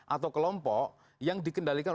atau kelompok yang dikendalikan